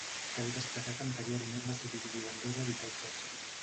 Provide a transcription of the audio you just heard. Cal destacar que anteriorment va ser dividida en dos habitatges.